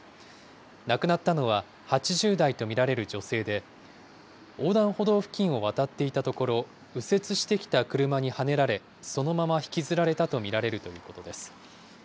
亡くなったのは、８０代と見られる女性で、横断歩道付近を渡っていたところ、右折してきた車にはねられ、そのまま引きずられたと見られるということです。